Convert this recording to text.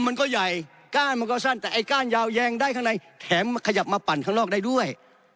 มันก็ใหญ่ก้านมันก็สั้นแต่ไอ้ก้านยาวแยงได้ข้างในแถมขยับมาปั่นข้างนอกได้ด้วย